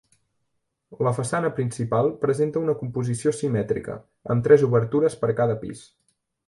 La façana principal presenta una composició simètrica, amb tres obertures per cada pis.